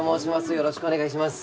よろしくお願いします。